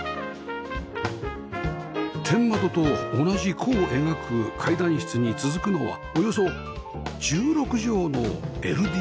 天窓と同じ弧を描く階段室に続くのはおよそ１６畳の ＬＤＫ